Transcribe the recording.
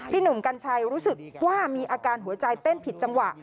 หนุ่มกัญชัยรู้สึกว่ามีอาการหัวใจเต้นผิดจังหวะ